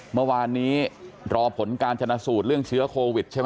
เมื่อวานนี้รอผลการชนะสูตรเรื่องเชื้อโควิดใช่ไหม